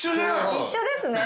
一緒ですね。